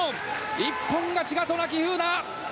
一本勝ち、渡名喜風南！